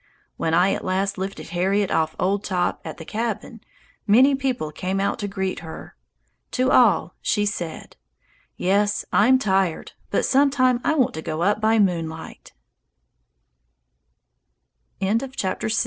When I at last lifted Harriet off old Top at the cabin, many people came out to greet her. To all she said, "Yes, I'm tired, but some time I want to go up